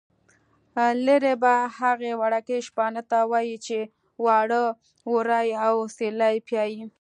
لېربه هغه وړکي شپانه ته وايي چې واړه وري او سېرلی پیایي.